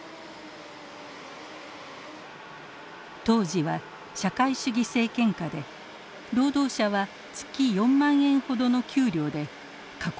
当時は社会主義政権下で労働者は月４万円ほどの給料で過酷な労働を強いられました。